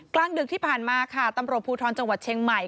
กลางดึกที่ผ่านมาค่ะตำรวจภูทรจังหวัดเชียงใหม่